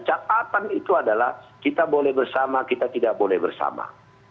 catatan itu adalah kita boleh bersama kita tidak boleh bersama